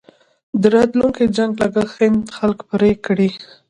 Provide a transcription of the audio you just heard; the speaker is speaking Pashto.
د راتلونکي جنګ لګښت هند خلک پرې کړي.